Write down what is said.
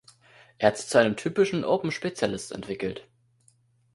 Er hat sich zu einem typischen Open-Spezialist entwickelt.